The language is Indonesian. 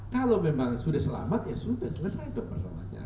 kalau memang sudah selamat ya sudah selesai dong persoalannya